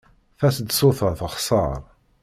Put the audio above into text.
Taseḍsut-a texṣer.